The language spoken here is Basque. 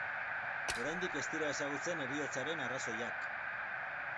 Oraindik ez dira ezagutzen heriotzaren arrazoiak.